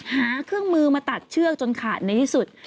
หาเครื่องมือมาตัดเชือกจนขาดในที่สุด